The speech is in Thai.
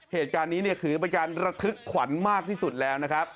เหตุการณ์นี้คืออาจารย์ระทึกขวัญมากที่สุดแล้วนะครับ